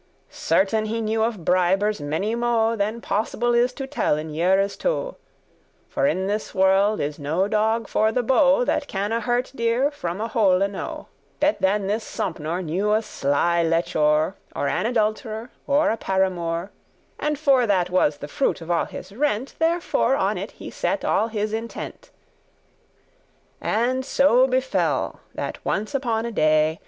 Certain he knew of bribers many mo' Than possible is to tell in yeare's two: For in this world is no dog for the bow,<3> That can a hurt deer from a whole know, Bet* than this Sompnour knew a sly lechour, *better Or an adult'rer, or a paramour: And, for that was the fruit of all his rent, Therefore on it he set all his intent. And so befell, that once upon a day.